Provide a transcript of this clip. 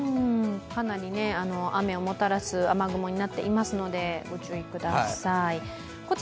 かなりね雨をもたらす雨雲になっていますので、ご注意ください。